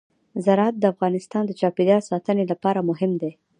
زراعت د افغانستان د چاپیریال ساتنې لپاره مهم دي.